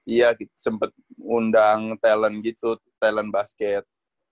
iya sempet undang talent gitu talent basket